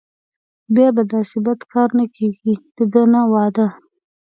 بیا به داسې بد کار نه کېږي دده نه وعده.